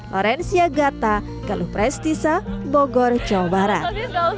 lorensia gata keluh prestisa bogor jawa barat